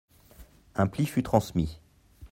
Un pli fut transmis.